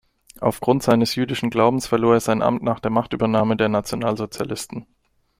Auf Grund seines jüdischen Glaubens verlor er sein Amt nach der Machtübernahme der Nationalsozialisten.